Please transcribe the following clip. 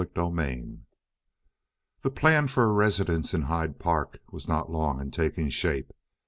CHAPTER XXXVII The plan for a residence in Hyde Park was not long in taking shape.